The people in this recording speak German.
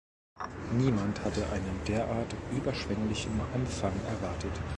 Niemand hatte einen derart überschwänglichen Empfang erwartet.